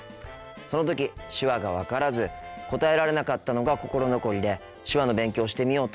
その時手話が分からず答えられなかったのが心残りで手話の勉強をしてみようと思いました。